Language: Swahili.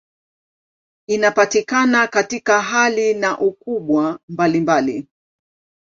Inapatikana katika hali na ukubwa mbalimbali.